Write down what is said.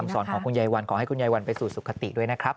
สอนของคุณยายวันขอให้คุณยายวันไปสู่สุขติด้วยนะครับ